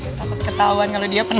dia takut ketahuan kalo dia penang